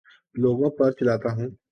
لوگوں پر چلاتا ہوں